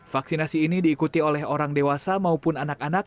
vaksinasi ini diikuti oleh orang dewasa maupun anak anak